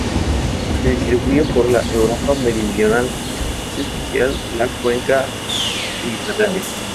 Se distribuye por la Europa meridional, es especial la cuenca mediterránea.